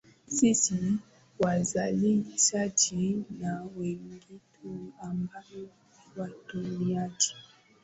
sisi wazalishaji na wenzetu ambao ni watumiaji